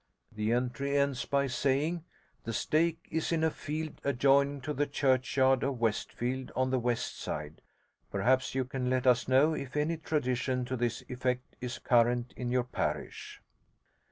The entry ends by saying: "The stake is in a field adjoining to the churchyard of Westfield, on the west side." Perhaps you can let us know if any tradition to this effect is current in your parish.'